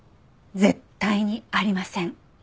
絶対にありません。